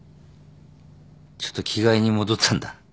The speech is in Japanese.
ちょっと着替えに戻ったんだ。